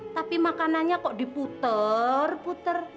tapi makanannya kok diputer puter